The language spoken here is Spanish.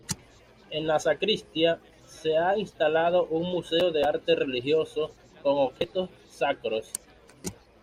En la sacristía se ha instalado un museo de arte religioso con objetos sacros.